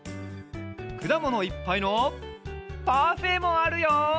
くだものいっぱいのパフェもあるよ。